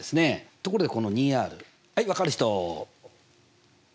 ところでこの２Ｒはい分かる人？